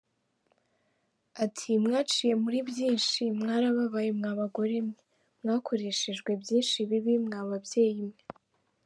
Ati “Mwaciye muri byinshi, mwarababaye mwa bagore mwe, mwakoreshejwe byinshi bibi mwa babyeyi mwe.